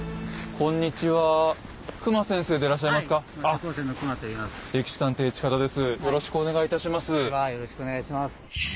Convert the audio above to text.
こんにちはよろしくお願いします。